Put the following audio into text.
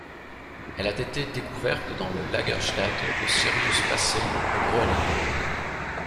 Elle a été découverte dans le lagerstätte de Sirius Passet au Groenland.